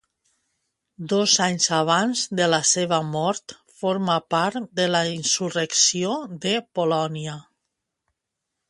Dos anys abans de la seva mort formà part de la insurrecció de Polònia.